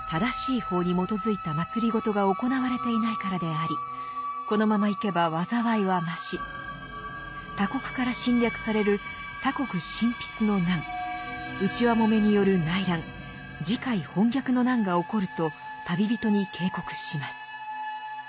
主人はこのままいけば災いは増し他国から侵略される「他国侵」の難内輪もめによる内乱「自界叛逆の難」が起こると旅人に警告します。